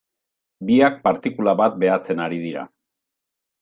Biek partikula bat behatzen ari dira.